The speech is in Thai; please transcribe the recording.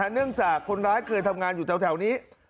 เนื่องจากคนร้ายเคยทำงานอยู่แถวนี้